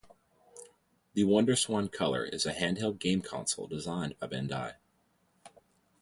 The WonderSwan Color is a handheld game console designed by Bandai.